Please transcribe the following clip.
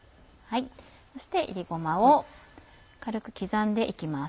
そして炒りごまを軽く刻んで行きます。